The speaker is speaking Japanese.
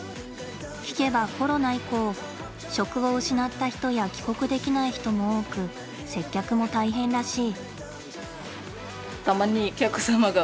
聞けばコロナ以降職を失った人や帰国できない人も多く接客も大変らしい。